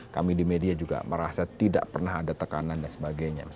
kami di media juga merasa tidak pernah ada tekanan dan sebagainya